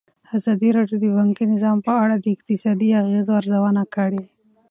ازادي راډیو د بانکي نظام په اړه د اقتصادي اغېزو ارزونه کړې.